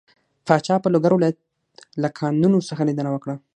پاچا په لوګر ولايت له کانونو څخه ليدنه وکړه.